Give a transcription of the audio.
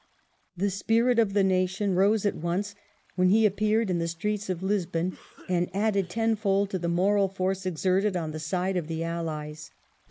The spirit of the nation rose at once when he appeared in the streets of Lisbon, and added tenfold to the moral force exerted on the side of the Allies.